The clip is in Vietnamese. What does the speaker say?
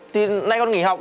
thì hôm nay con nghỉ học